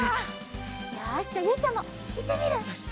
よしじゃあゆいちゃんもいってみる？